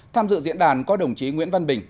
tham dự diễn đàn có đồng chí nguyễn văn bình